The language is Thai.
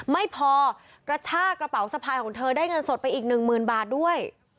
ไม่พอกระชากระเป๋าสะพายของเธอได้เงินสดไปอีกหนึ่งหมื่นบาทด้วย